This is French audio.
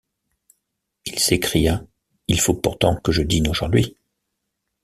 Il s’écria: — Il faut pourtant que je dîne aujourd’hui.